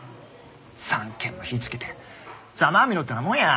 ３軒も火つけてざまあみろってなもんや。